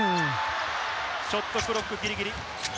ショットクロックギリギリ。